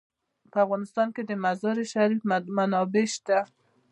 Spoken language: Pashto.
په افغانستان کې د مزارشریف منابع شته.